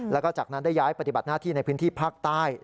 แล้วก็จากนั้นได้ย้ายปฏิบัติหน้าที่ในพื้นที่ภาคใต้